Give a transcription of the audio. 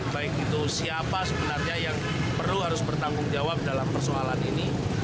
baik itu siapa sebenarnya yang perlu harus bertanggung jawab dalam persoalan ini